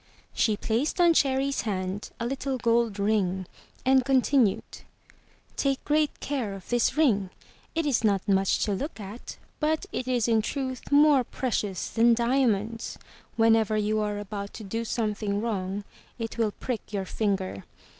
She placed on Cherry's hand a little gold ring, and continued, "Take great care of this ring; it is not much to look at, but it is in truth more precious than diamonds. Whenever you are about to do something wrong, it will prick your finger.